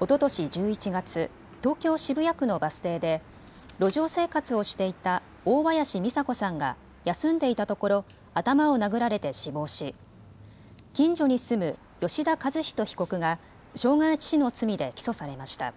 おととし１１月、東京渋谷区のバス停で路上生活をしていた大林三佐子さんが休んでいたところ、頭を殴られて死亡し、近所に住む吉田和人被告が傷害致死の罪で起訴されました。